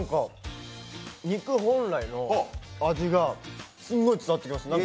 肉本来の味がすごい伝わってきます。